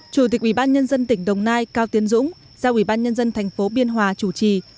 chủ tịch ubnd tỉnh đồng nai cao tiến dũng giao ubnd tp biên hòa chủ trì